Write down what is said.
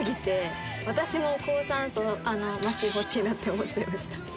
私も高酸素マシン欲しいなって思っちゃいました。